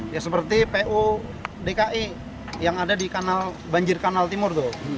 ya seperti pu dki yang ada di kanal banjir kanal timur tuh